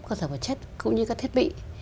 các sản phẩm chất cũng như các thiết bị